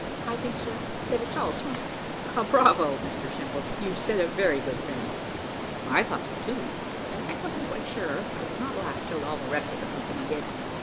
"I think, sir, that it's all smoke." "Bravo, Mr Simple! you've said a very good thing." So I thought, too; but, as I wasn't quite sure, I would not laugh till all the rest of the company did.